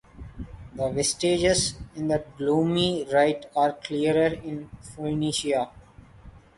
The vestiges in that gloomy rite are clearer in Phoenicia.